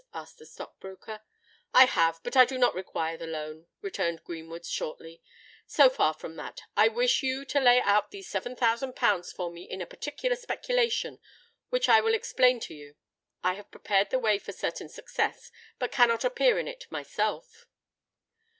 asked the stock broker. "I have. But I do not require the loan," returned Greenwood, shortly. "So far from that, I wish you to lay out these seven thousand pounds for me in a particular speculation which I will explain to you. I have prepared the way for certain success, but cannot appear in it myself."